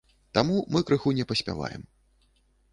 Таму мы крыху не паспяваем.